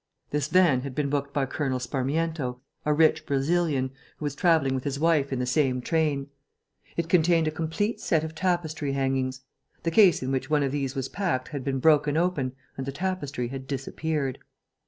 This van had been booked by Colonel Sparmiento, a rich Brazilian, who was travelling with his wife in the same train. It contained a complete set of tapestry hangings. The case in which one of these was packed had been broken open and the tapestry had disappeared.